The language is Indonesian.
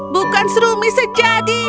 bukan serumis sejati